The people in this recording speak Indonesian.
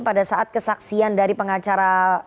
pada saat kesaksian dari pengacara